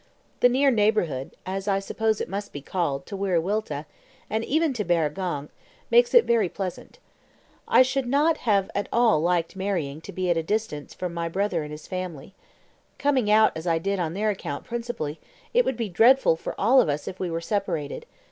The near neighbourhood (as I suppose it must be called) to Wiriwilta, and even to Barragong, makes it very pleasant. I should not have at all liked marrying to be at distance from my brother and his family. Coming out, as I did, on their account principally, it would be dreadful for all of us if we were separated.